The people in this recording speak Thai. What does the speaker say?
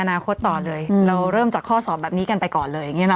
มาข้อต่อเลยเราเริ่มเจาก็สอบแบบนี้กันไปก่อนเลยอีกนะ